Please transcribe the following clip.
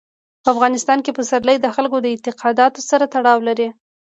په افغانستان کې پسرلی د خلکو د اعتقاداتو سره تړاو لري.